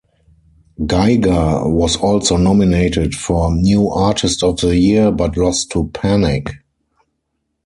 Geiger was also nominated for "New Artist of the Year" but lost to Panic!